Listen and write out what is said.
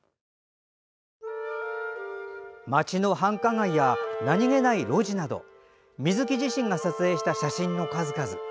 町の繁華街や、何気ない路地など水木自身が撮影した写真の数々。